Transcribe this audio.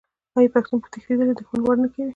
آیا پښتون په تښتیدلي دښمن وار نه کوي؟